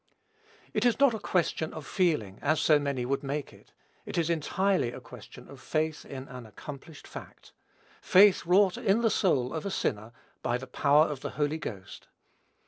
It is not a question of feeling, as so many would make it. It is entirely a question of faith in an accomplished fact, faith wrought in the soul of a sinner, by the power of the Holy Ghost.